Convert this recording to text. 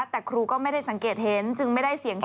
แต่ครูก็ไม่ได้สังเกตเห็นจึงไม่ได้เสียงแค่